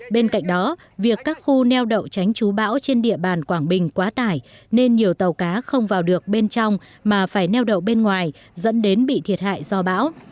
bên cạnh đó việc các khu neo đậu tránh chú bão trên địa bàn quảng bình quá tải nên nhiều tàu cá không vào được bên trong mà phải neo đậu bên ngoài dẫn đến bị thiệt hại do bão